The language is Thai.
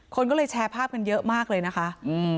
คนก็เลยแชร์ภาพกันเยอะมากเลยนะคะ